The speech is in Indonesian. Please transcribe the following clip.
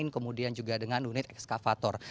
kemudian juga dengan unit ekskavator